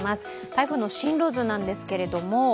台風の進路図なんですけれども。